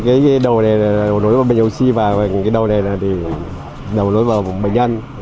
cái đầu này đấu nối vào bệnh nhân oxy và cái đầu này đấu nối vào bệnh nhân